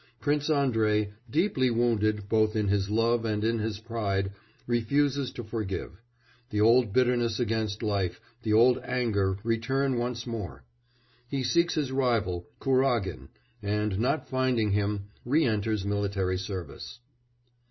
Prince Andrei, deeply wounded both in his love and in his pride, refuses to forgive; the old bitterness against life, the old anger return once more. He seeks his rival, Kuragin, and, not finding him, re enters military service.